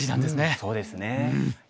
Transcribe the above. そうですね。